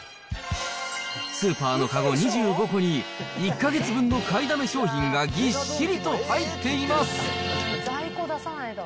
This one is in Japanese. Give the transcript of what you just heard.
スーパーの籠２５個に、１か月分の買いだめ商品がぎっしりと入っています。